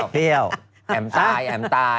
เปรี้ยวแอ๋มตายแอ๋มตาย